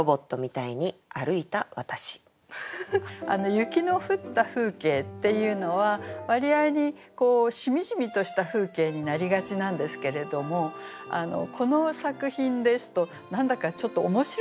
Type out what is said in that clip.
雪の降った風景っていうのは割合にしみじみとした風景になりがちなんですけれどもこの作品ですと何だかちょっと面白い風景になってるんですね。